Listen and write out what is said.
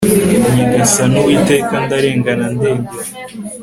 nyagasani uwiteka ndarengana, ndengera